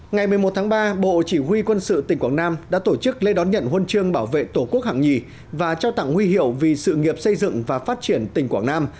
ngày một mươi một tháng ba bộ chỉ huy quân sự tỉnh quảng nam đã tổ chức lễ đón nhận huân chương bảo vệ tổ quốc hạng nhì và trao tặng huy hiệu vì sự nghiệp xây dựng và phát triển tỉnh quảng nam